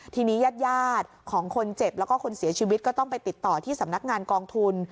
ทีนี้ญาติของคนเจ็บแล้วก็คนเสียชีวิตก็ต้องไปติดต่อที่สำนักงานกองทุน